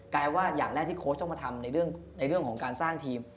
ลายว่าอย่างแรกที่โค้ชต้องมาทำในเรื่องของการสร้างทีม